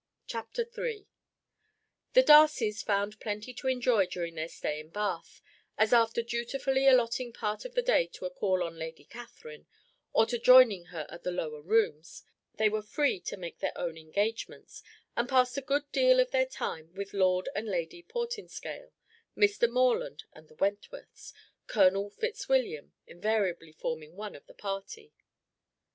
Chapter III The Darcys found plenty to enjoy during their stay in Bath, as after dutifully allotting part of the day to a call on Lady Catherine, or to joining her at the Lower Rooms, they were free to make their own engagements, and passed a good deal of their time with Lord and Lady Portinscale, Mr. Morland and the Wentworths, Colonel Fitzwilliam invariably forming one of the party.